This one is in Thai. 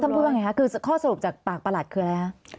พูดว่าไงคะคือข้อสรุปจากปากประหลัดคืออะไรคะ